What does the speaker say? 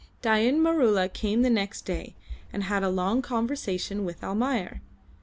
Dain Maroola came the next day and had a long conversation with Almayer.